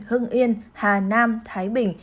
hưng yên hà nam thái bình